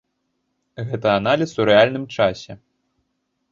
Гэта аналіз у рэальным часе.